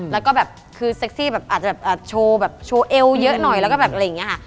แล้วก็แบบคือเซ็กซี่แบบอาจจะแบบโชว์แบบโชว์เอวเยอะหน่อยแล้วก็แบบอะไรอย่างนี้ค่ะ